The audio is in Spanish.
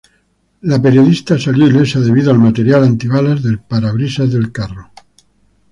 La periodista salió ilesa debido al material antibalas del parabrisas del carro.